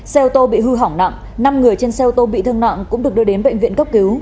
xe ô tô bị hư hỏng nặng năm người trên xe ô tô bị thương nặng cũng được đưa đến bệnh viện cấp cứu